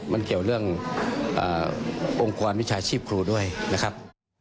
มันเกี่ยวเรื่ององค์กรวิชาชีพครูด้วยนะครับ